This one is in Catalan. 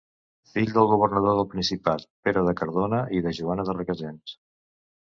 Fill del governador del Principat Pere de Cardona i de Joana de Requesens.